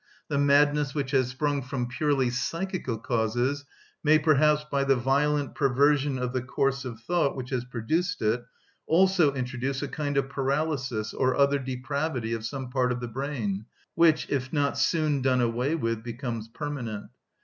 The madness which has sprung from purely psychical causes may, perhaps, by the violent perversion of the course of thought which has produced it, also introduce a kind of paralysis or other depravity of some part of the brain, which, if not soon done away with, becomes permanent.